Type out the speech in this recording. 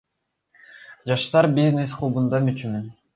Жаштар бизнес клубунда мүчөмүн.